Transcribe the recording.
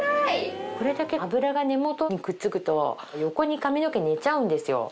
これだけ脂が根元にくっつくと横に髪の毛寝ちゃうんですよ。